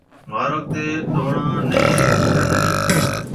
مارگ تي ڏوڻا نِي کرڻ ڏيو۔